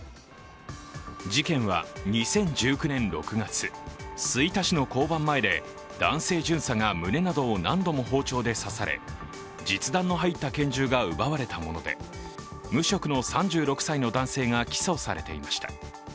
事件は２０１９年６月、吹田市の交番前で男性巡査が胸などを何度も包丁で刺され実弾の入った拳銃が奪われたもので無職の３６歳の男性が起訴されていました。